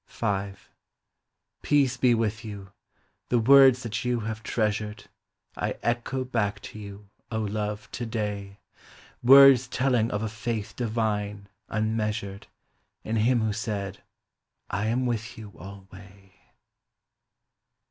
Peace be with you ! The words that you have treasured, I echo back to you, O love, to day ! Words telling of a faith divine, unmeasured. In Him who said, " I am with you alway."